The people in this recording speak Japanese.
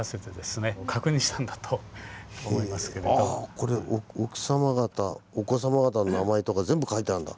これ奥様方お子様方の名前とか全部書いてあるんだ。